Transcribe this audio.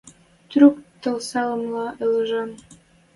Трӱк тылсалымла ӹлӹжӹн